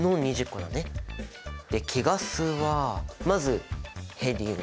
貴ガスはまずヘリウム。